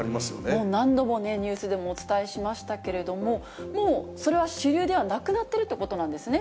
もう何度もね、ニュースでもお伝えしましたけれども、もうそれは主流ではなくなっているということなんですね。